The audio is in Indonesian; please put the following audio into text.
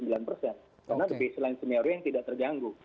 karena the baseline scenario yang tidak terganggu